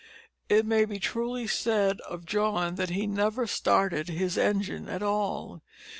It may be truly said of John that he never "started" his engine at all.